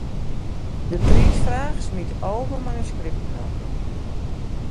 De priisfraach smiet alve manuskripten op.